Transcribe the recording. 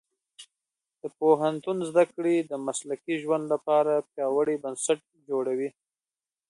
د پوهنتون زده کړې د مسلکي ژوند لپاره پیاوړي بنسټ جوړوي.